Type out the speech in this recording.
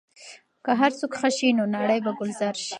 که هر څوک ښه شي، نو نړۍ به ګلزار شي.